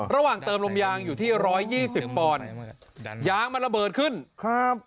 ระหว่างเติมลมยางอยู่ที่ร้อยยี่สิบพอร์นย้างมันระเบิดขึ้นครับ